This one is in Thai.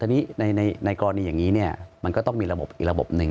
ทีนี้ในกรณีอย่างนี้มันก็ต้องมีระบบอีกระบบหนึ่ง